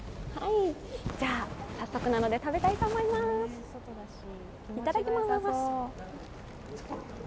じゃ、早速なので食べたいと思います、いただきます。